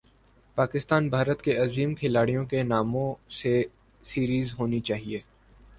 پاکستان بھارت کے عظیم کھلاڑیوں کے ناموں سے سیریز ہونی چاہیے